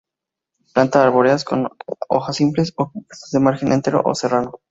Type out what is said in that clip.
Plantas arbóreas, con hojas simples o compuestas, de margen entero o serrado.